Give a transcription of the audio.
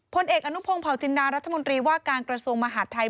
พลเอกอนุพงศ์เผาจินดารัฐมนตรีว่าการกระทรวงมหาดไทย